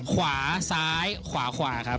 ขวาซ้ายขวาขวาครับ